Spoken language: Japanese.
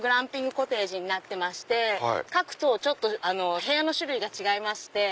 コテージになってまして各棟部屋の種類が違いまして。